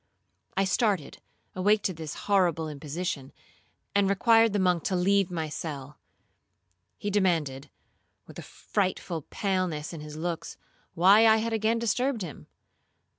I started, awake to this horrible imposition, and required the monk to leave my cell. He demanded, with a frightful paleness in his looks, why I had again disturbed him?